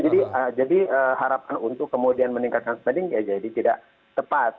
jadi harapan untuk kemudian meningkatkan spending ya jadi tidak tepat